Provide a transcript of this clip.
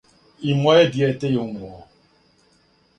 И моје дијете је умрло.